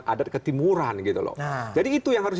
negatif ke timuran jadi itu yang harus